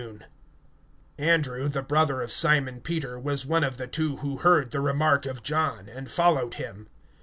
(40)Andrew, the brother of Simon Peter, was one of the two who heard it from John, and followed him.